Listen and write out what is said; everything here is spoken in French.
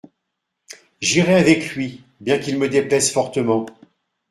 J’irai avec lui bien qu’il me déplaise fortement.